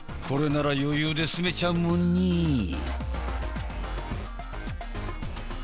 これなら余裕で住めちゃうもんねえ。